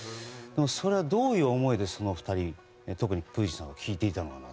それはどういう思いで、２人特にプーチンさんは聴いていたのか。